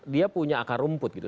dia punya akar rumput gitu